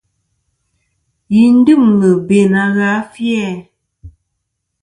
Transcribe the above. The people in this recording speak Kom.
Yi dyɨmlɨ be na gha a fi-æ ?